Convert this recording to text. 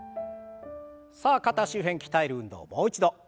さあ肩周辺鍛える運動もう一度。